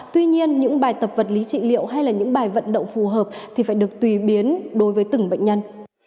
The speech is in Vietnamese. tuy nhiên những bài tập vật lý trị liệu hay là những bài vận động phù hợp thì phải được tùy biến đối với từng bệnh nhân